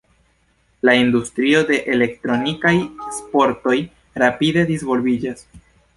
La industrio de elektronikaj sportoj rapide disvolviĝas.